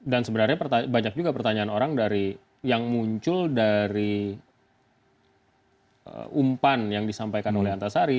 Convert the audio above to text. dan sebenarnya banyak juga pertanyaan orang dari yang muncul dari umpan yang disampaikan oleh antasari